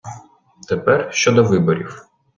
Тепер щодо виборів.